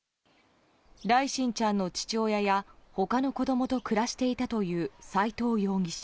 來心ちゃんの父親や他の子供と暮らしていたという斉藤容疑者。